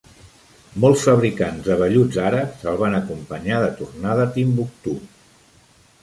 Molts fabricants de velluts àrabs el van acompanyar de tornada a Timbuctú.